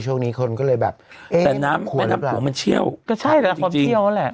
ช่วงนี้คนก็เลยแบบแต่น้ำมันเชี่ยวก็ใช่แหละความเชี่ยวนั่นแหละ